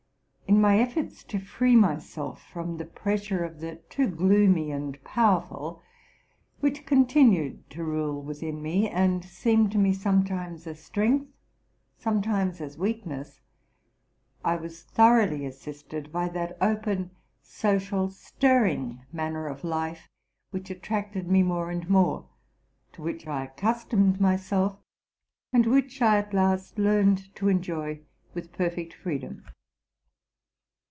In my efforts to free myself from the pressure of the too gloomy and powerful, which continued to rule within me, and seemed to me sometimes as strength, sometimes as weakness, I was thoroughly assisted by that open, social, stirring manner of life, which attracted me more and more, to which I accustomed myself, and which I at last learned to enjoy with perfect freedom.